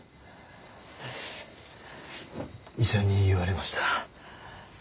医者に言われました。